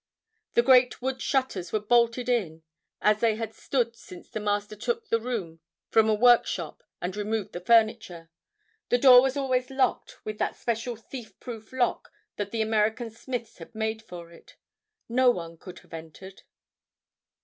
The great wood shutters were bolted in, as they had stood since the Master took the room for a workshop and removed the furniture. The door was always locked with that special thief proof lock that the American smiths had made for it. No one could have entered."